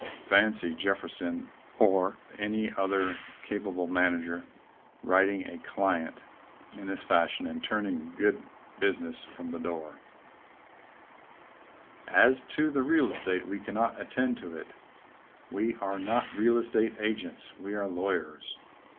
Fancy Jefferson or any other capable manager writing a client in this fashion and turning good business from the door : As to the real estate, we cannot attend to it. We are not real estate agents. We are lawyers.